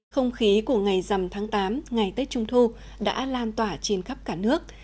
không khí của ngày dằm tháng tám ngày tết trung thu đã lan tỏa trên khắp cả nước